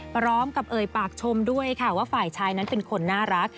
พร้อมกับเอ่ยปากชมด้วยค่ะว่าฝ่ายชายนั้นเป็นคนน่ารัก